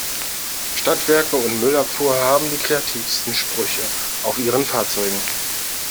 Stadtwerke und Müllabfuhr haben die kreativsten Sprüche auf ihren Fahrzeugen.